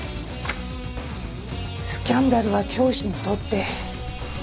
スキャンダルは教師にとって命取りだ。